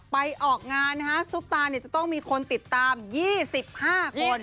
ไปออกงานฮะซุปตานี่จะต้องมีคนติดตามยี่สิบห้าคน